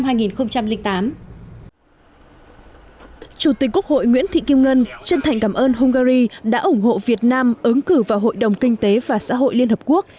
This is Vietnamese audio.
chủ tịch quốc hội nguyễn thị kim ngân chân thành cảm ơn hungary đã ủng hộ việt nam ứng cử vào hội đồng kinh tế và xã hội liên hợp quốc